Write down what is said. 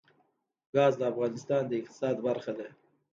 ګاز د افغانستان د اقتصاد برخه ده.